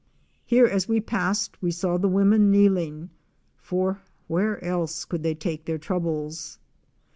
Here, as we passed, we saw the women kneeling, for where else could they take their troubles!